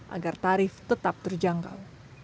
agar tarif tetap terjangkau